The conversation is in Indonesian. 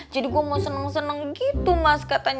jadi gue mau senang senang gitu mas katanya